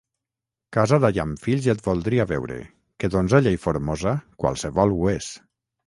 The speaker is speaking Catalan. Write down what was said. Casada i amb fills et voldria veure, que donzella i formosa qualsevol ho és.